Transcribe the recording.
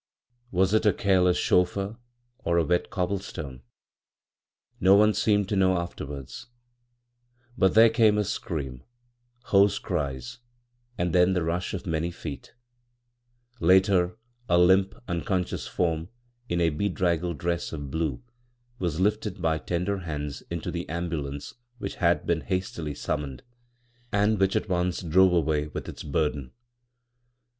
Was it a careless chauffeur or a wet cobble stone? No one seemed to know Eifterwards, but there came a scream, hoarse cries, and then the rush of many feet Later, a limp, uiKonsdous form in a bedraggled dress of blue, was lifted by tender hands into the am bulance which had been hastily summoned, and which e^ once drove away with its burden.